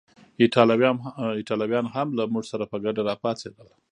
ایټالویان هم له موږ سره په ګډه راپاڅېدل.